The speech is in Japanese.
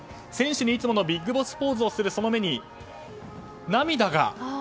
選手にいつものビッグボスポーズをするその目に涙が。